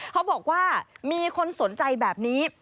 เขาบอกว่ามีคนสนใจแบบนี้